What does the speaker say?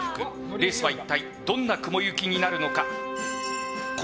レースは一体どんな雲行きになるのでしょうか。